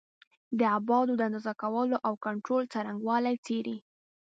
د ابعادو د اندازه کولو او کنټرول څرنګوالي څېړي.